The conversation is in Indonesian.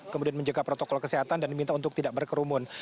kemudian menjaga protokol kesehatan dan diminta untuk tidak berkerumun